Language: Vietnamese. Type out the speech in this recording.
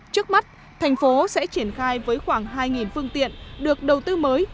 trước mắt thành phố sẽ triển khai với khoảng hai phương tiện được đầu tư mới